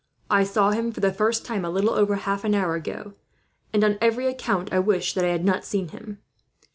I saw him for the first time a little over half an hour ago, and on every account I wish that I had not seen him.